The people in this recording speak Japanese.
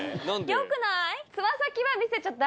よくない？